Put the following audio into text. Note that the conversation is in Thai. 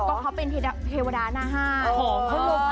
ก็เขาเป็นเทวดาหน้าห้าง